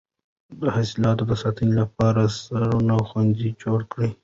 د حاصلاتو د ساتنې لپاره سړې خونې جوړې کړئ.